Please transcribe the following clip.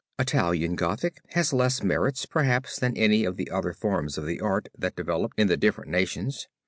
Italian Gothic has less merits, perhaps, than any of the other forms of the art that developed in the different nations.